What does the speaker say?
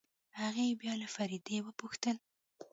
هغې بيا له فريدې وپوښتل.